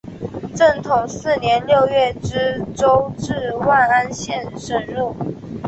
正统四年六月以州治万安县省入。